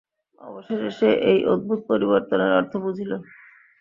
অবশেষে সে এই অদ্ভুত পরিবর্তনের অর্থ বুঝিল।